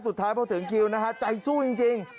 สุดท้ายพอถึงคิวนะฮะใจสู้จริง